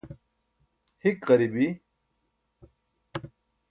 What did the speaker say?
hik ġari bi